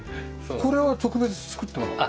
これは特別に作ってもらった？